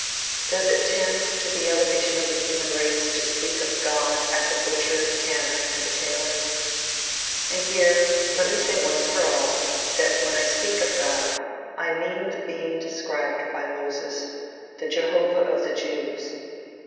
Does it tend to the elevation of the human race to speak of "God" as a butcher, tanner and tailor? And here, let me say once for all, that when I speak of God, I mean the being described by Moses: the Jehovah of the Jews.